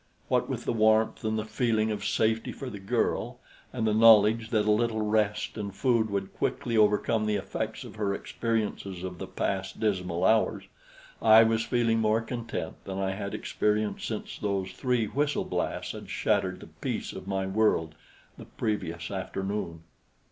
What with the warmth and the feeling of safety for the girl, and the knowledge that a little rest and food would quickly overcome the effects of her experiences of the past dismal hours, I was feeling more content than I had experienced since those three whistle blasts had shattered the peace of my world the previous afternoon.